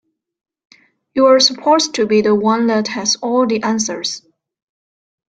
You're supposed to be the one that has all the answers.